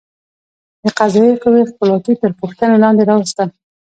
د قضایه قوې خپلواکي تر پوښتنې لاندې راوسته.